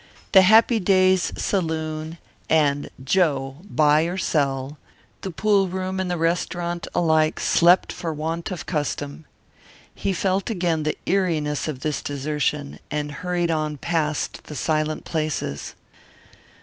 The Happy Days Saloon and Joe Buy or Sell, the pool room and the restaurant, alike slept for want of custom. He felt again the eeriness of this desertion, and hurried on past the silent places.